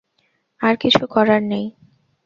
আর কিছু করার নেই।